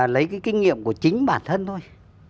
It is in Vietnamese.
lấy cái kinh nghiệm của chính bản thân thôi